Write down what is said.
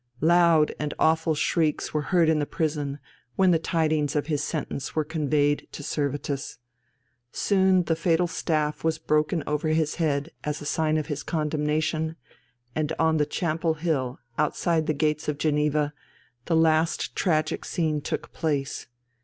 Loud and awful shrieks were heard in the prison when the tidings of his sentence were conveyed to Servetus. Soon the fatal staff was broken over his head as a sign of his condemnation, and on the Champel Hill, outside the gates of Geneva, the last tragic scene took place.